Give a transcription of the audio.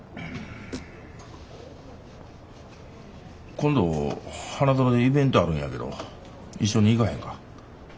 今度花園でイベントあるんやけど一緒に行かへんか？